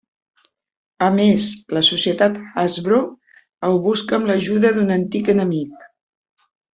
A més, la societat Hasbro el busca amb l'ajuda d'un antic enemic.